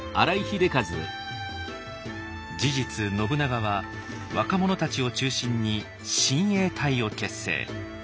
事実信長は若者たちを中心に親衛隊を結成。